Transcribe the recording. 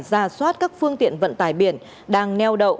ra soát các phương tiện vận tải biển đang neo đậu